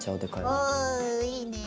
おいいねぇ。